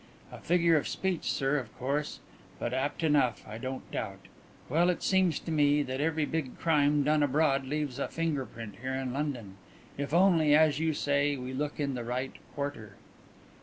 A figure of speech, sir, of course, but apt enough, I don't doubt. Well, it seems to me that every big crime done abroad leaves a finger print here in London if only, as you say, we look in the right quarter."